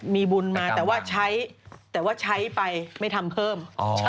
มีบุญมาแต่ว่าใช้แต่ว่าใช้ไปไม่ทำเพิ่ม